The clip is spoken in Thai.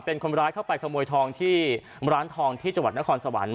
เป็นคนร้ายเข้าไปขโมยทองที่ร้านทองที่จังหวัดนครสวรรค์